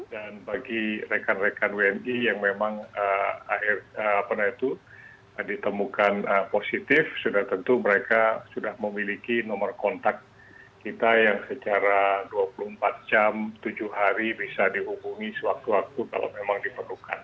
dan bagi rekan rekan wni yang memang ditemukan positif sudah tentu mereka sudah memiliki nomor kontak kita yang secara dua puluh empat jam tujuh hari bisa dihubungi sewaktu waktu kalau memang diperlukan